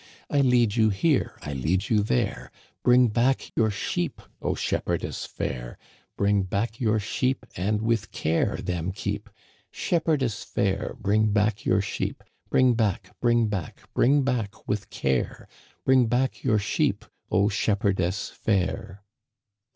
I lead you here, I lead you there ; Bring back your sheep, O shepherdess fair. Bring back your sheep and with care them keep, Shepherdess fair, bring back your sheep. Bring back, bring back, bring back witfi care. Bring back your sheep, O shepherdess fair